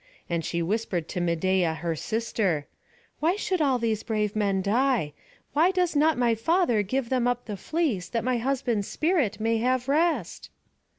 And she whispered to Medeia her sister: "Why should all these brave men die? why does not my father give them up the fleece, that my husband's spirit may have rest?"